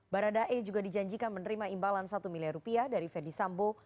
barada e juga dijanjikan menerima imbalan satu miliar rupiah dari ferdis sambo